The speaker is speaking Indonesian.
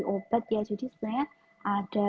obat ya jadi sebenarnya ada